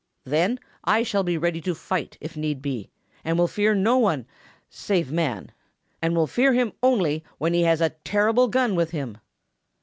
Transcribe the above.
Then I shall be ready to fight if need be and will fear no one save man, and will fear him only when he has a terrible gun with him."